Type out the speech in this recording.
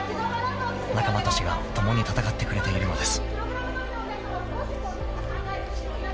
［仲間たちが共に戦ってくれているのです］